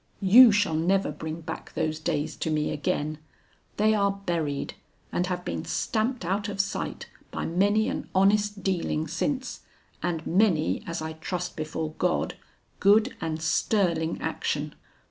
You shall never bring back those days to me again; they are buried, and have been stamped out of sight by many an honest dealing since, and many as I trust before God, good and sterling action.